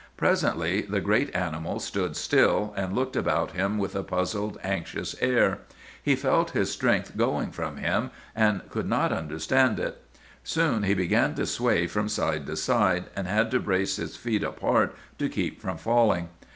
"Presently the great animal stood still, and looked about him with a puzzled, anxious air. He felt his strength going from him, and could not understand it. "Soon he began to sway from side to side, and had to brace his feet apart to keep from falling.